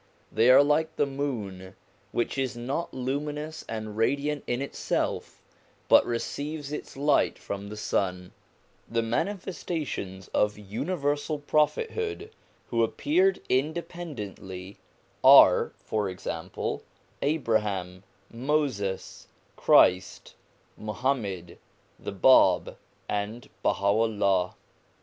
They are like the moon, which is not luminous and radiant in itself, but receives its light from the sun. 188 THE MANIFESTATIONS OF GOD 189 The Manifestations of universal Prophetliood who appeared independently are, for example, Abraham, Moses, Christ, Muhammad, the Bab, and Baha'u'llah.